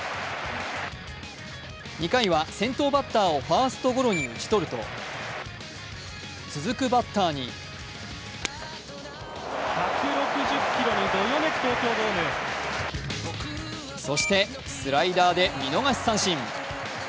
２回は先頭バッターをファーストゴロに打ち取ると続くバッターにそして、スライダーで見逃し三振。